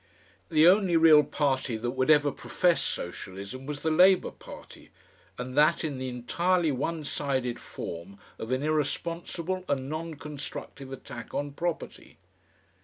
The only real party that would ever profess Socialism was the Labour Party, and that in the entirely one sided form of an irresponsible and non constructive attack on property.